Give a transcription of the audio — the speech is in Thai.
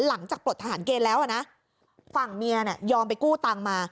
หลังจากปลดทหารเกณฑ์แล้วอะนะฝั่งเมียเนี่ยยอมไปกู้ตังมา